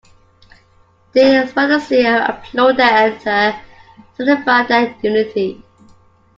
They spontaneously applaud their editor, signifying their unity.